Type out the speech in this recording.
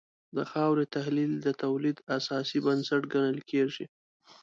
د خاورې تحلیل د تولید اساسي بنسټ ګڼل کېږي.